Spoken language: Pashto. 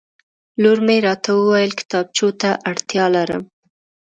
لور مې راته وویل کتابچو ته اړتیا لرم